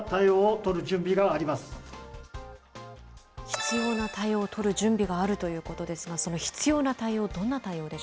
必要な対応を取る準備があるということですが、その必要な対